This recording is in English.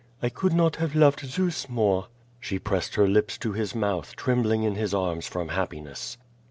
"I could not have loved Zeus more." She pressed her lips to his mouth, trembling in his arms from happiness.